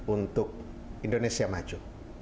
untuk indonesia maju